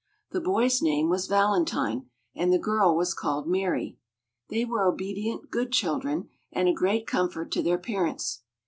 The boy's name was Valentine, and the girl was called Mary. They were obedient, good children, and a great comfort to their parents.